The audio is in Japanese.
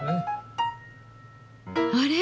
あれ？